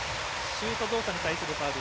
シュート動作に対するファウル。